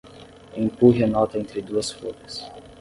Empurre a nota entre duas folhas.